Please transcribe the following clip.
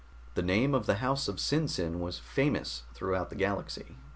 The name of the house of SinSin was famous throughout the galaxy.